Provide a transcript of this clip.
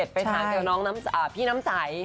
ไปทางเกี่ยวน้องพี่น้ำสัย